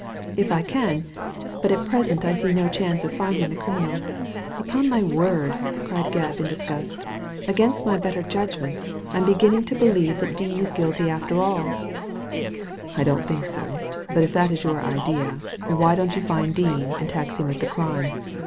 " If I can ; but at present I see no chance of finding the criminal Upon my word," cried Gebb, in disgust. Digitized by Google WHAT MRS. PRESK FOUND 185 * against my better judgment I'm beginning to believe that Dean is guilty after all" '• I don't think so ; but if that is your idea, why don't you find Dean and tax him with the crime?